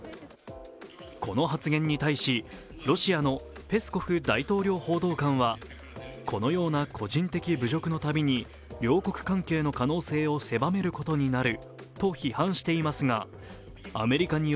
この発言に対し、ロシアのペスコフ大統領報道官はこのような個人的侮辱のたびに両国関係の可能性を狭めることにな